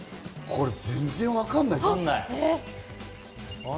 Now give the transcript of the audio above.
これ全然わかんない。